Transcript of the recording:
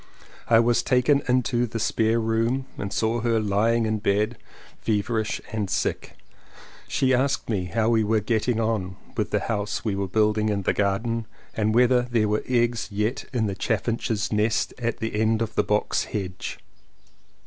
I was taken into the spare room and saw her lying in bed, feverish and sick — she asked me how we were getting on with the house we were building in the garden and whether there were eggs yet in the chaffinch's nest at the end of the box hedge.